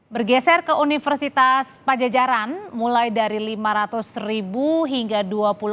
bergeser ke universitas pajajaran mulai dari rp lima ratus hingga rp dua puluh empat